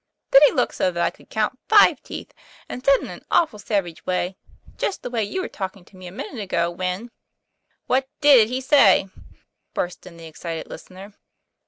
Then he looked so that I could count five teeth, and said in an awful savage way just the way you were talk ing to me a minute ago, when "" What did he say ?' burst in the excited listener.